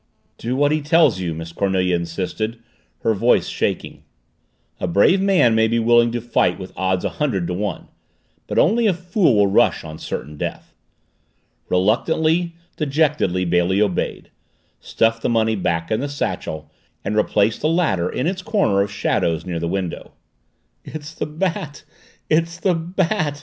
"Do what he tells you!" Miss Cornelia insisted, her voice shaking. A brave man may be willing to fight with odds a hundred to one but only a fool will rush on certain death. Reluctantly, dejectedly, Bailey obeyed stuffed the money back in the satchel and replaced the latter in its corner of shadows near the window. "It's the Bat it's the Bat!"